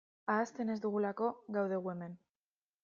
Ahazten ez dugulako gaude gu hemen.